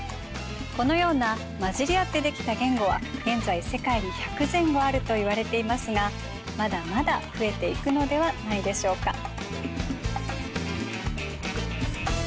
このような交じり合って出来た言語は現在世界に１００前後あるといわれていますがまだまだ増えていくのではないでしょうか。